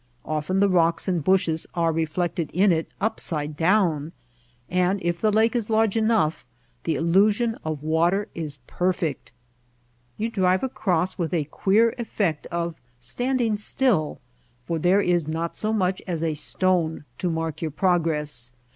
Often the rocks and bushes are reflected in it upside down, and if the lake is large enough the illusion of water is perfect. You drive across with a queer effect of standing still, for there h not so much as a stone to mark your progress.